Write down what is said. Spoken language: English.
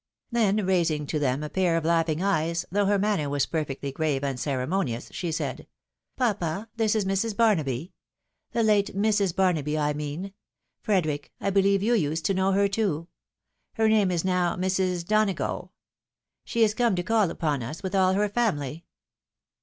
Then, raising to them a pair of laughing eyes, though her manner was perfectly grave and ceremonioiis, she said, "Papa, this is Mrs. BarnalDy. The late Mrs. Barnaby, I mean. Frederic, I beUeve you used to know her too. Her name is now Mrs. Donago. She is come to call upon us, with all her family."